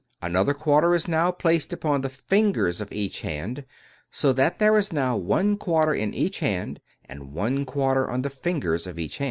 Another quarter is now placed upon the fingers of each hand, so that there is now one quarter in each hand and one quarter on the fingers of each.